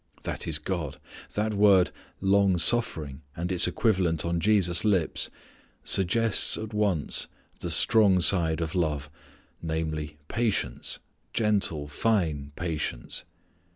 That is God. That word "long suffering" and its equivalent on Jesus' lips suggests at once the strong side of love, namely, patience, gentle, fine patience.